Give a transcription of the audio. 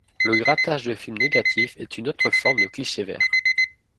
Le grattage de film négatif est une autre forme de cliché-verre.